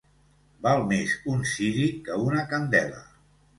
Val més un ciri que una candela.